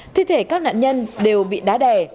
thi thể các nạn nhân đều bị đá đẻ